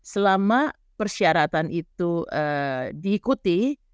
selama persyaratan itu diikuti